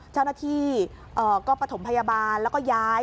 เจ้าหน้าที่ก็ประถมพยาบาลแล้วก็ย้าย